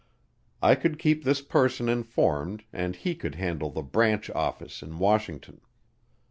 I could keep this person informed and he could handle the "branch office" in Washington.